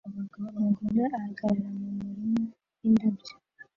Umugore ahagarara mu murima windabyo